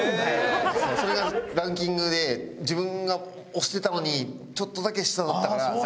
それがランキングで自分が推してたのにちょっとだけ下だったから残念って言ってたぐらいだから。